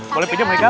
boleh pinjam maikam